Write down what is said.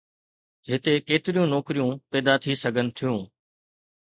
هتي ڪيتريون نوڪريون پيدا ٿي سگهن ٿيون؟